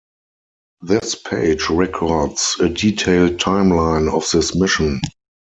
This page records a detailed timeline of this mission.